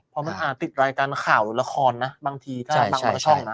พอมันอาจติดรายการข่าวราคาบางทีก็ตั้งบางช่องนะ